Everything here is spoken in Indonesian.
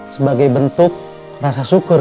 sebagai bentuk rasa syukur